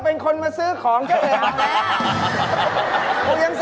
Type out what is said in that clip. เป็นคนมาซื้อของจริง